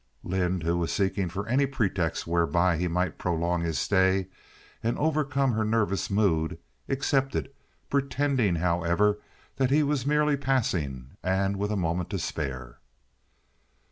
Lynde, who was seeking for any pretext whereby he might prolong his stay and overcome her nervous mood, accepted, pretending, however, that he was merely passing and with a moment to spare.